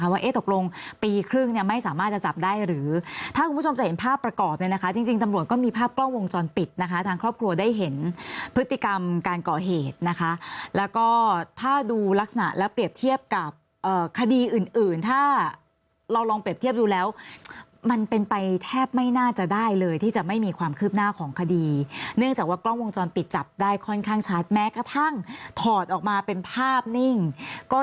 ว่าเอ๊ะตกลงปีครึ่งเนี่ยไม่สามารถจะจับได้หรือถ้าคุณผู้ชมจะเห็นภาพประกอบเนี่ยนะคะจริงตำรวจก็มีภาพกล้องวงจรปิดนะคะทางครอบครัวได้เห็นพฤติกรรมการเกาะเหตุนะคะแล้วก็ถ้าดูลักษณะแล้วเปรียบเทียบกับคดีอื่นถ้าเราลองเปรียบเทียบดูแล้วมันเป็นไปแทบไม่น่าจะได้เลยที่จะไม่มีความคืบหน้าข